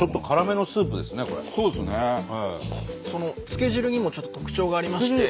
つけ汁にもちょっと特徴がありまして。